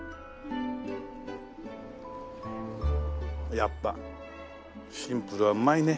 やっぱシンプルはうまいね。